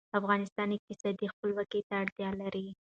افغانستان اقتصادي خپلواکۍ ته اړتیا لري